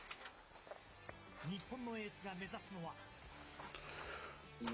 日本のエースが目指すのは。